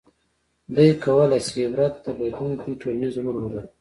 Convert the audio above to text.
• دې کولای شي عبرت درلودونکی ټولنیز رول ولري.